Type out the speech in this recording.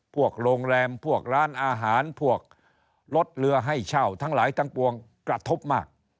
พวกโรงแรมพวกร้านอาหารพวกรถเรือให้เช่าทั้งหลายทั้งปวงกระทบมาก